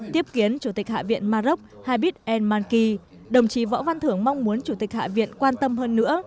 tiếp kiến chủ tịch hạ viện maroc haibib el manki đồng chí võ văn thưởng mong muốn chủ tịch hạ viện quan tâm hơn nữa